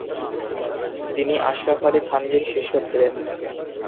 তিনি আশরাফ আলী থানভীর শিষ্য ছিলেন।